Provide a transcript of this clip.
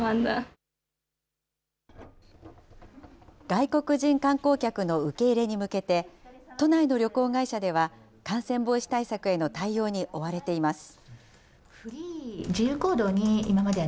外国人観光客の受け入れに向けて、都内の旅行会社では、感染防止対策への対応に追われています。